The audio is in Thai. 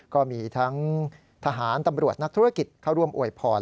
ก็มีทั้งทหารตำรวจนักธุรกิจเข้าร่วมอวยพร